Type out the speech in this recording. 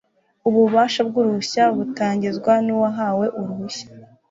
ububasha bw'uruhushya butangizwa n'uwahawe uruhushya